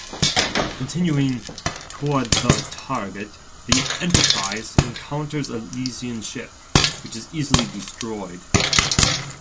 Continuing toward the target, the "Enterprise" encounters a Lysian ship, which is easily destroyed.